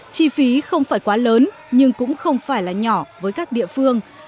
chi phí không phải quá lớn nhưng cũng không phải là nhỏ với các địa phương